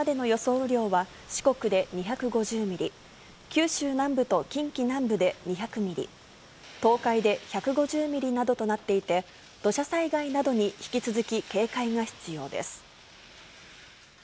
雨量は、四国で２５０ミリ、九州南部と近畿南部で２００ミリ、東海で１５０ミリなどとなっていて、土砂災害などに引き続き警戒が必要です。